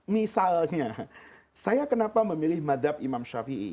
misalnya saya kenapa memilih madhab imam syafi'i